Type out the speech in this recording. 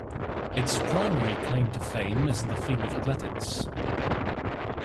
Its primary claim to fame is in the field of athletics.